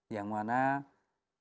yang mana dengan melakukan relokasi